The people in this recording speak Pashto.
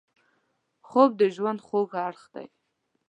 خوب د ژوند خوږ اړخ دی